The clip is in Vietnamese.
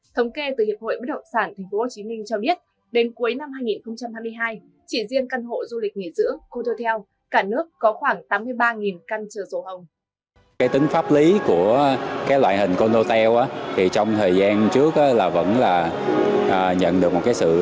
thống kê từ hiệp hội bất động sản tp hcm cho biết đến cuối năm hai nghìn hai mươi hai